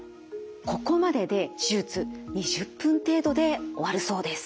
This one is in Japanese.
ここまでで手術２０分程度で終わるそうです。